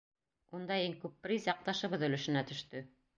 Унда иң күп приз яҡташыбыҙ өлөшөнә төштө.